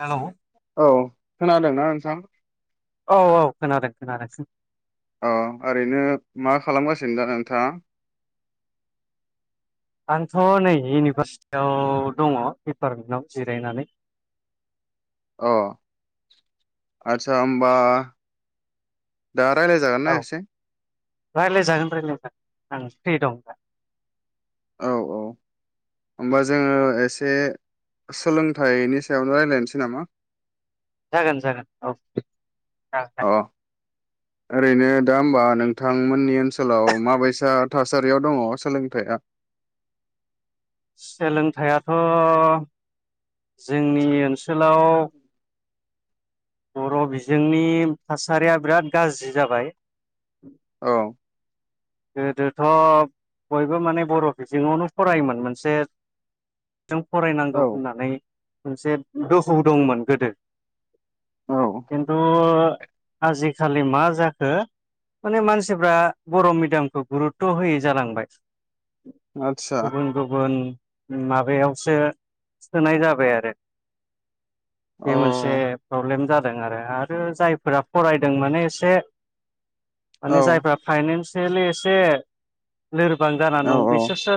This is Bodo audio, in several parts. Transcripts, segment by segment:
हेल औ खोनादोंना नोंथां औ औ खोनादों खोनादों सों औ ओरैनो मा खालामगासिनो दा नोंथाङा आंथ' नै इउनिभारसिटियाव दङ दिपारमेन्टाव जिरायनानै अ आदसा होमबा दा रायलाय जागोनना एसे रायलाय जागोन रायलाय जागोन आं फ्रि दं दा औ औ होमबा जोङो एसे सोलोंथाइनि सायावनो रायलायनोसै नामा जागोन जागोन औ जागोन दे अ ओरैनो दा होमबा नोंथांमोननि ओनसोलाव माबायसा थासारियाव दङ सोलोंथाइया सोलोंथाइयाथ' जोंनि ओनसोलाव बर' बिजोंनि थासारिया बिराद गाज्रि जाबाय औ गोदोथ' बयबो माने बर' बिजोङावनो फरायोमोन मोनसे जों फरायनांगौ औ होननानै मोनसे दोहौ दंमोन गोदो औ खिनथु आजि खालि मा जाखो माने मानसिफ्रा बर' मिड मिदियामखौ गुरुत्त' होयै जालांबाय आदसा गुबुन गुबुन माबायावसो सोनाय जाबाय आरो अ बे मोनसे प्रब्लेम जादों दों आरो आरो जायफोरा फरायदों माने एसे औ माने जायफ्रा फाइनेन्स थेलि एसे लोरबां जाना औ दं बिसोरसो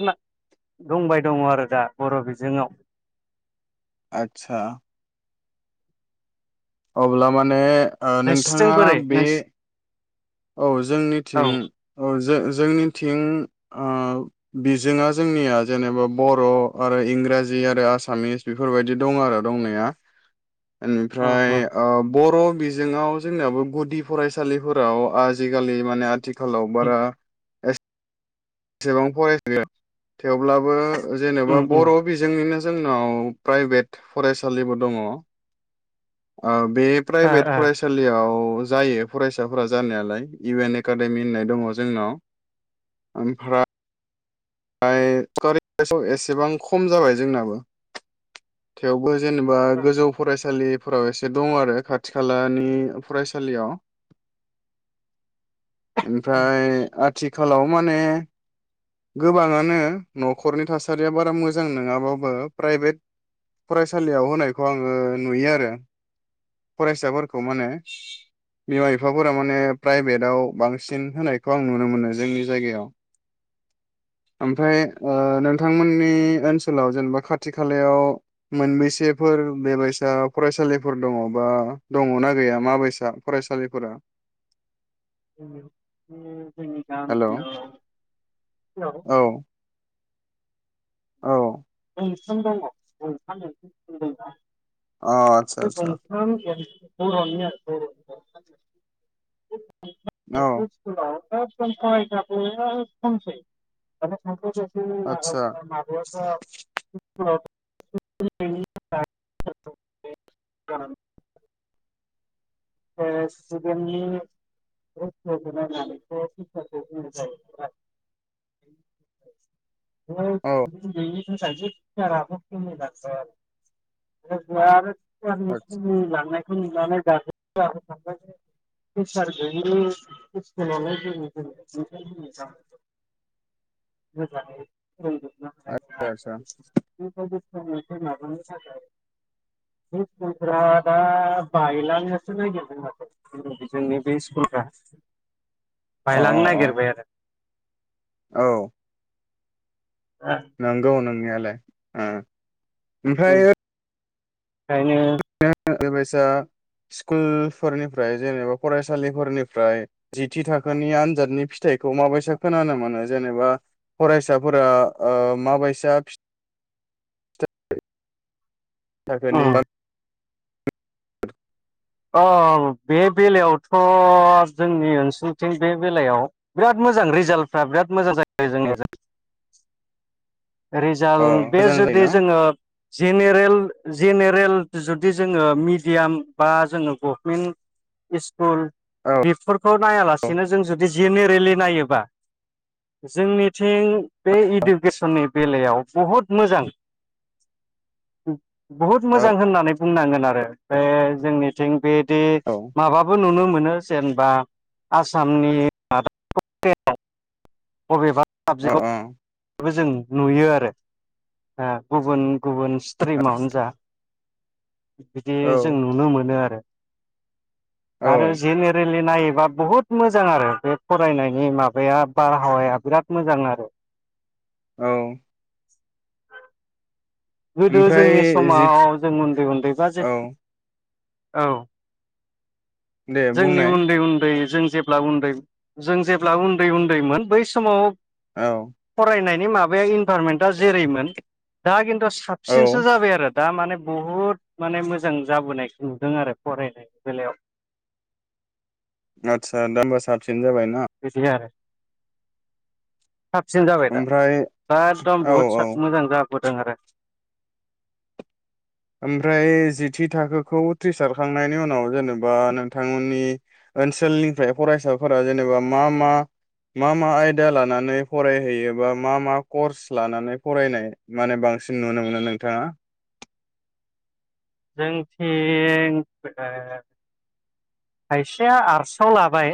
दंबाय दङ आरो दा बर' बिजोङाव आतसा अब्ला माने ओ नोंसिथिं नोंथाङा बोरै बे नोंस औ औ जोंनिथिं औ जो जोंनिथिं ओ बिजोंआ जोंनिया जेनेबा बर' आरो इंराजि आरो आसामिस बेफोरबायदि दं आरो दंनाया उम ओनिफ्राय बर' बिजोङाव जोंनयाबो गुदि फरायसालिफोराव आजिखालि माने आथि खालाव उम बारा एस बेसेबां फरायसा गैया थेवब्लाबो जेनेबा उम उम बर' बिजोंनिनो जोंनाव प्राइभेट फरायसालिबो दङ ओ बे ओ प्राइभेट ओ फरायसालियाव जायो फरायसाफोरा जानायालाय इउ एन एकाडेमि होननाय दङ जोंनाव ओमफ्राय फाय सारखारिआव एसेबां खम जाबाय जोंनाबो थेवबो जेनेबा गोजौ फरायसालि फोराव एसे दं आरो खाथि खालानि फरायसालियाव ओमफ्राय आथ आथिखालाव माने गोबाङानो न'खरनि थासारिया बारा मोजां नङाबाबो प्राइभेट फरायसालियाव होनायखौ आङो नुयो आरो फरायसाफोरखौ माने बिमा बिफाफोरा माने प्राइभेटाव बांसिन होनायखौ आं नुनो मोनो जोंनि जायगायाव ओमफ्राय ओ नोंथांमोननि ओनसोलाव जेनेबा खाथि खालायाव मोनबेसेफोर बेबायसा फरायसालिफोर दङ बा दङना गैया माबायसा फरायसालिफोरा जोंनियाव ओम जोंनि हेल' औ गामियाव हेलौ औ गंथाम दङ गंथाम एल पि सिकुल दंना अ आतसा आतसा [unintelligible] गंथाम एल पि औ सिकुलाव एकदम फरायसाफोरा खमसै साफा आतसा सानैल'सै [unintelligible] [unintelligible] स्टुडेन्टनि रहैसखौ नायनानै टिसारखौ होनाय जायो औ नालाय [unintelligible] [unintelligible] सिखुलारनि खमि आतसा लांनाय आंथ' नुलानो दाबो [unintelligible] रोंजोबनो हानाय आतसा आतसा नङा बिनिखायनो [unintelligible] [unintelligible] अ बायलांनो नागिरबाय अ आरो औ दा नंगौ नोंनिया ले ओ ओमफाय ओंखायनो बेबायसा स्कुलफोरनिफ्राय जेनेबा फरायसालिफोरनिफ्राय जिथि थाखोनि आनजादनि फिथाइखौ माबायसा खोनानो मोनो जेनेबा फरायसाफोरा ओ माबायसा फिथाइ थाखोनि उम अ बे बेलायावथ' जोंनि ओनसोलथिं बे बेलायाव बिराद मोजां रिजाल्टफ्रा बिराद मोजां जायो यो जोंनिजाय अ रिजाल्ट बे मोजां जुदि जायोना जोङो जेनेरेल जेनेरेल जुदि जोङो मिडियाम बा जोङो गभमेन्ट इस खुल औ बेफोरखौ नायालासेनो जों जुदि जेनेरेलि नायोबा जोंनिथिं बे इडुकेसननि बेलायाव बुहुद मोजां बहुद औ मोजां होननानै बुंनांगोन आरो ओ जोंनिथिं बेदि औ माबाबो नुनो मोनो जेनबा आसामनि माबेबा टप टेनाव बबेबा अ अ साबजेखआव बेबो जों नुयो आरो ओ गुबुन गुबुन स्ट्रिमावनो जा बिदि जों औ नुनो मोनो आरो आरो औ जेनेरेल नायोबा बुहुद मोजां आरो बे फरायनायनि माबाया बारहावाया बिराद मोजां आरो औ गोदो ओमफ्राय जोंनि जि समाव जों उन्दै उन्दैबा जे औ औ दे जोंनि बुंनाय उन्दै उन्दै जों जेब्ला उन्दै जों जेब्ला उन्दै उन्दैमोन बै समाव औ बे माबाया इनभारमेन्टआ जेरैमोन दा खिन दा औ साबसिनसो जाबाय आरो दा माने बुहुद माने मोजां जाबोनायखौ नुदों आरो फरायनि बेलायाव आदसा दा होमबा साबसिन जाबाय बिदि आरो साबसिन जाबाय दा ओमफ्राय दा एगदम औ बुहुद औ मोजां जाबाय होदों आरो ओमफ्राय जिथि थाखोखौ उथ्रिसारखांनायनि उनाव जेनेबा नोंथांमोननि ओनसोलनिफ्राय फरायसाफोरा जेनेबा मा मा मा मा आयदा लानानै फरायहैयो बा मा मा कर्स लानानै फरायनाय माने बांसिन नुनो मोनो नोंथाङा जोंथिं ओ खायसेया आर्सआव लाबाय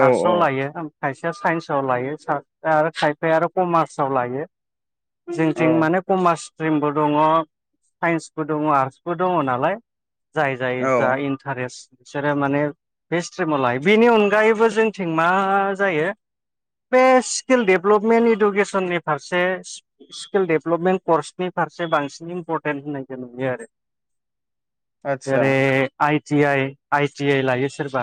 औ औ आरसआव लायो खायसेया साइन्सआव लायो सा आरो खायफाया आरो कमार्सआव लायो औ जोंथिं माने कमार्स स्ट्रिमबो दङ साइन्स बो दङ आर्टसबो दङ नालाय जाय जाय जा औ इन्टारेस्ट बिसोरो माने बे स्ट्रिमाव लायो बेनि अनगायैबो जोंथिं मा जायो बे स्किल डेभेलपमेन्ट इडुकेसननि फारसे स्किल डेभेलपमेन्ट कर्सनि फारसे बांसिन इम्परटेन्ट होनाय जों नुयो आरो आदसा जेरै I T I I T I लायो सोरबा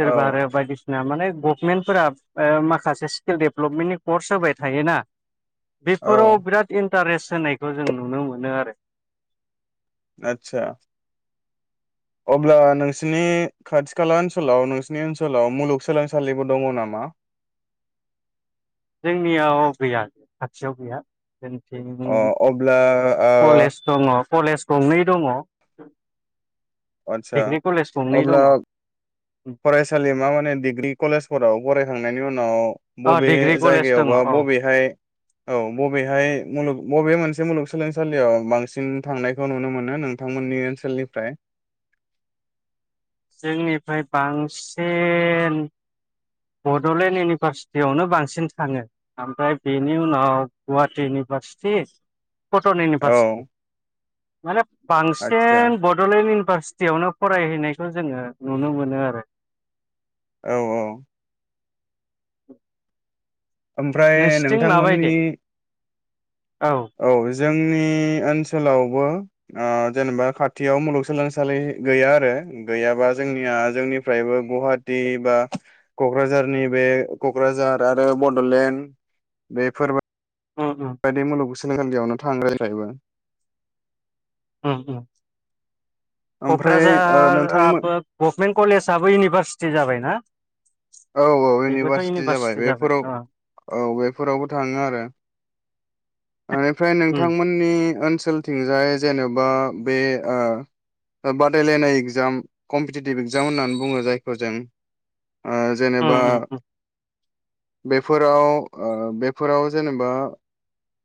औ आरो बायदि सि ना माने गभमेन्टफोरा ओ माखासे स्किल डेभेलपमेन्टनि कर्स होबाय थायोना औ बेफोराव बिराद इन इन्टारेस्ट होनायखौ जों नुनो मोनो आरो आतसा अब्ला नोंसिनि खाथि खाला ओनसोलाव नोंसिनि ओनसोलाव मुलुगसोलोंसालिबो दङ नामा जोंनियाव गैया खाथियाव गैया जों अ अब्ला ओ दङ कलेज गंनै दङ। आदसा डिग्रि कलेज गंनै अब्ला दङ फरायसालिमा माने डिग्रि कलेजफोराव फरायखांनायनि उनाव अ बबे डिग्रि कलेज दङ जायगायावबा औ बबेहाय औ बबेहाय मुलुग बबे मोनसे मुलुगसोलोंसालियाव बांसिन थांनायखौ नुनो मोनो नोंथांमोननि ओनसोलनिफ्राय जोंनिफ्राय बांसिन बड'लेण्ड इउनिभारसिटियावनो बांसिन थाङो ओमफ्राय बेनि उनाव गुवाहाटि इउनिभारसिटि कटन औ इउनिभारसिटि माने आदसा बांसिन बड'लेण्ड इउ इउनिभारसिटियावनो फरायहैनायखौ जोङो नुनो मोनो आरो औ औ [inaudible] ओमफ्राय नोंसिथिं माबायदि नोंथांमोननि औ जोंनि ओनसोलावबो ओ जेनेबा खाथियाव मुलुगसोलोंसालि गैया आरो गैयाबा जोंनिया जोंनिफ्रायबो गुवाहाटि बा क'क्राझारनि बे क'क्राझार आरो बड'लेण्ड बेफोरबाय उम बायदि मुलुगसो सोलोंसालियावनो थाङो जोंनिफ्रायबो उम उम ओमफ्राय ओ नोंथांमोन क'क्राझाराबो गभमेन्ट कलेजाबबो इउनिभारसिटि जाबाय। हो औ औ बेबोथ' इउनिभारसिटि जाबाय बेफोराव अ औ बेफोरावबो थाङो आरो इनिफ्राय उम नोंथांमोननि ओनसोल ओनसोलथिंजाय जेन'बा बे ओ बादायलायनाय एग्जाम कम्पिटिटिभ इक्जाम होननानै बुङो जायखौ जों। ओ उम जेनेबा उम उम बेफोराव ओ बेफोराव जेनेबा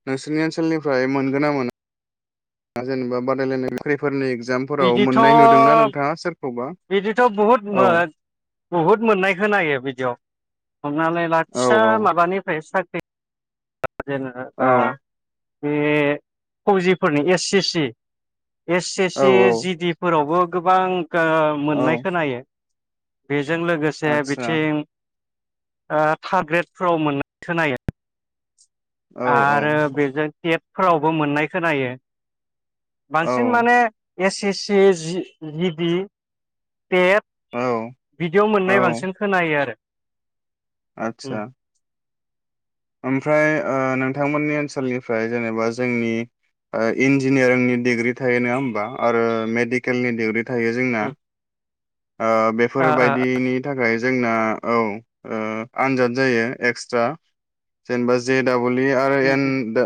नोंसोरनि ओनसोलनिफ्राय मोनगोन ना मोना जेनेबा बादायलायनाय साख्रिफोरनि इग बिदिथ' बिदिथ' बुहुद औ मोद बुहुद मोननायखौ खोनायो बिदियाव हमनानै ला। औ फिसा माबानिफ्राय साख्रि जेनोबा औ बे फौजिफोरनि S C C S S औ सि जि औ डि फोरावबो गोबां ओ मोननाय औ खोनायो। बे जों लोगोसे आदसा बिथिं ओ थार ग्रेडफोराव मोननाय खोनायो औ औ आरो बेजों टेट फोरावबो मोननाय खोनायो औ बांसिन माने एस एस सि जि जिडि टेट औ बिदियाव' मोननाय बांसिन खोनायो आरो उम आतसा ओमफ्राय ओ नोंथांमोननि ओनसोलनिफ्राय जेनेबा जोंनि इन्जिनियारिंनि डिग्रि थायो नङा होमबा आरो मेडिकेलनि डिग्रि थायो जोंना उम ओ ओ ओ बेफोरबायदिनि थाखाय जोंना औ ओ आनजाद जायो एक्सट्रा जेनेबा जे दाबल हलि आरो ए उम दा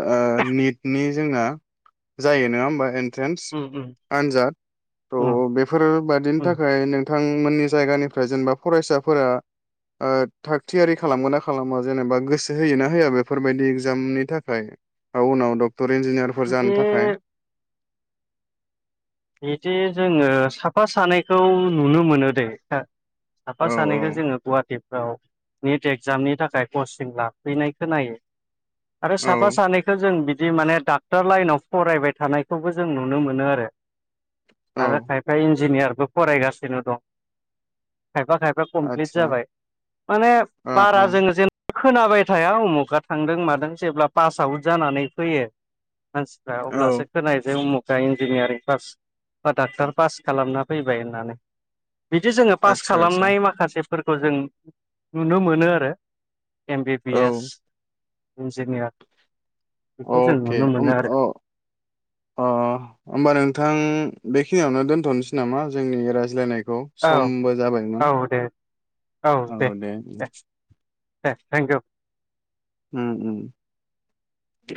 निटनि जोंना जायो नङा होमबा नों थ्रेनस उम उम आनजाद त' उम बेफोर बायदिनि उम थाखाय ओमफाय नोंथांमोननि जायगानिफ्राय जेनेबा फरायसाफोरा ओ थाग थियारि खालामगोन ना खालामा जेनेबा गोसो होयो ना होआ बेफोरबायदि एगजामनि थाखाय औ उनाव डक्टर इन्जिनियारफोर जानो बिदि थाखाय बिदि जोङो साफा सानैखौ नुनो मोनो दे साफा औ सानैखौ जोङो गुवाहाटि ओ नेट एगजामनि थाखाय कचिं लाफैनाय खोनायो आरो साफा सानैखौ जों बिदि जि माने डाक्टर लाइनाव फरायबाय थानायखौबो जों नुनो मोनो आरो आरो खायफा इन्जिनियारबो फरायगासिनो दं खायफा खायफा कमप्लिट आतसा जाबाय माने ओ बारा ओ जोङो जेन खोनाबाय थाया उमुका थांदों मादों जेब्ला पास आउट जानानै फैयो मानसिफ्रा औ अब्लासो खोनाय जै उमुखानि दिनिथनि पास बा डाक्टर पास खालामना फैबाय होननानै बिदि जोङो पास आतसा आतसा खालामनाय माखासे फोरखौ जों नुनो मोनो आरो एम बि बि औ एस इन्जिनियार बेखौ जों अके नुनो अ मोनो आरो अ होमबा नोंथां बेखिनियावनो दोन्थ'नोसै नामा जोंनि रायज्लायनाय खौ औ समबो जाबायमोन औ दे औ दे दे थेंकिउ उम उम दे